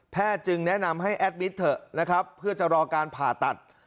จึงแนะนำให้แอดมิตรเถอะนะครับเพื่อจะรอการผ่าตัด